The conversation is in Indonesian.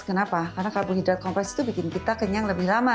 kenapa karena karbohidrat kompleks itu bikin kita kenyang lebih lama